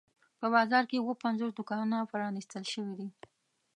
په بازار کې اووه پنځوس دوکانونه پرانیستل شوي دي.